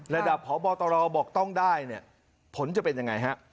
ระดับเผาบอตรบอกต้องได้ผลจะเป็นยังไง